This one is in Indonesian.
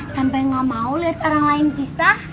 sampai gak mau lihat orang lain pisah